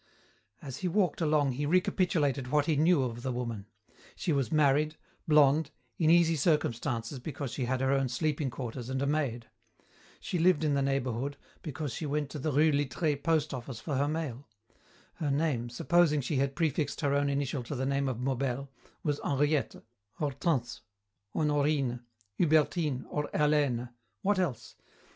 As he walked along he recapitulated what he knew of the woman. She was married, blonde, in easy circumstances because she had her own sleeping quarters and a maid. She lived in the neighbourhood, because she went to the rue Littré post office for her mail. Her name, supposing she had prefixed her own initial to the name of Maubel, was Henriette, Hortense, Honorine, Hubertine, or Hélène. What else?